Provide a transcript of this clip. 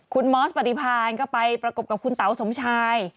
คุณมอสปฏิพานก็ไปประกบกับคุณเต๋าสมชาย